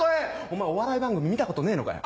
お前お笑い番組見たことねえのかよ。